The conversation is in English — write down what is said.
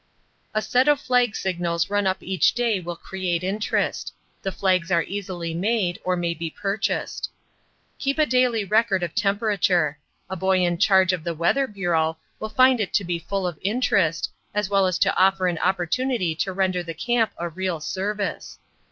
A set of flag signals run up each day will create interest. The flags are easily made, or may be purchased. Keep a daily record of temperature. A boy in charge of the "Weather Bureau" will find it to be full of interest, as well as to offer an opportunity to render the camp a real service.